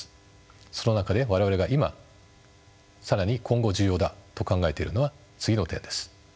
その中で我々が今更に今後重要だと考えているのは次の点です。